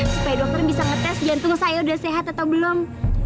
supaya dokter bisa ngetes jantung saya udah sehat atau belum